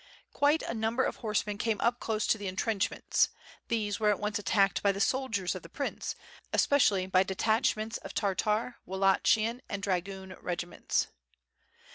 Quite a number of horsemen came up close to the entrench ments; these were at once attacked by the soldiers of the prince, especially by detachments of Tartar, Wallaehian and dragoon regiments.